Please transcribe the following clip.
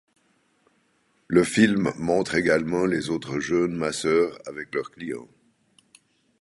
Le film montre également les autres jeunes masseurs avec leurs clients.